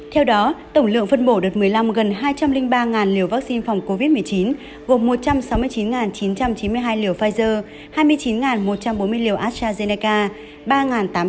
theo đó tổng lượng phân bổ đợt một mươi năm gần hai trăm linh ba liều vaccine phòng covid một mươi chín gồm một trăm sáu mươi chín chín trăm chín mươi hai liều pfizer hai mươi chín một trăm bốn mươi liều astrazeneca